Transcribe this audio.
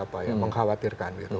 karena mengkhawatirkan gitu